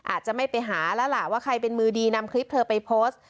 อาจจะไม่ไปหาแล้วล่ะว่าใครเป็นมือดีนำคลิปเธอไปโพสต์